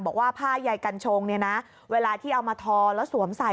บอกว่าผ้าใยกัญชงเนี่ยนะเวลาที่เอามาทอแล้วสวมใส่